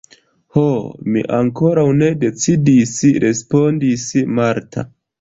Ho, mi ankoraŭ ne decidis – respondis Marta.